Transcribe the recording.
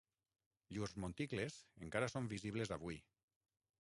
Llurs monticles encara són visibles avui.